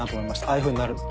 ああいうふうになる。